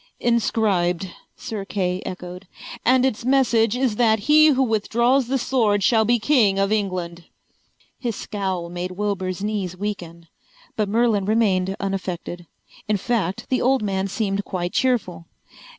"Inscribed," Sir Kay echoed. "And its message is that he who withdraws the sword shall be king of England." His scowl made Wilbur's knees weaken, but Merlin remained unaffected. In fact the old man seemed quite cheerful.